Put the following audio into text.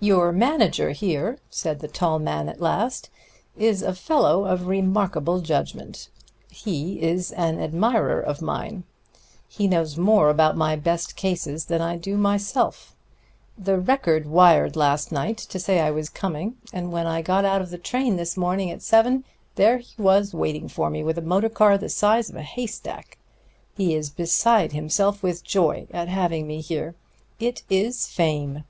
"Your manager here," said the tall man at last, "is a fellow of remarkable judgment. He is an admirer of mine. He knows more about my best cases than I do myself. The Record wired last night to say I was coming, and when I got out of the train at seven o'clock this morning, there he was waiting for me with a motor car the size of a haystack. He is beside himself with joy at having me here. It is fame."